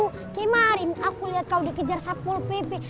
kayak kemarin aku liat kau dikejar sapol pepe